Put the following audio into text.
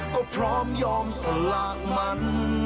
ก็พร้อมยอมสลากมัน